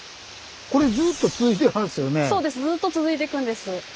そうですずっと続いていくんです。